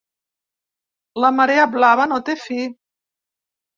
La marea blava no té fi.